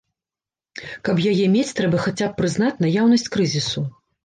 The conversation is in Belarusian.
Каб яе мець, трэба хаця б прызнаць наяўнасць крызісу.